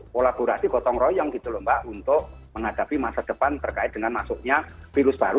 kolaborasi gotong royong gitu loh mbak untuk menghadapi masa depan terkait dengan masuknya virus baru